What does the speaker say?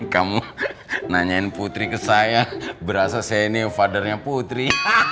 kamu nanyain putri ke saya berasa saya ini fathernya putri